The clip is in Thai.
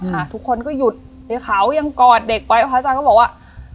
ค่ะทุกคนก็หยุดยายเขายังกอดเด็กไว้พระอาจารย์ก็บอกว่า